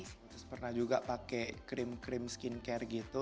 terus pernah juga pakai krim krim skincare gitu